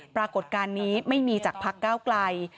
ปรากฏการณ์นี้ไม่มีจากพักก้าวไกล